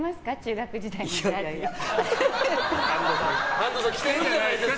安藤さん着てるんじゃないですか？